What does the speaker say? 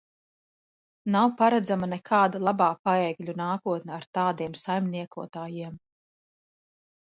Nav paredzama nekāda labā Paegļu nākotne ar tādiem saimniekotājiem.